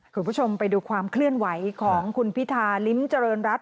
คุณผู้ชมไปดูความเคลื่อนไหวของคุณพิธาลิ้มเจริญรัฐ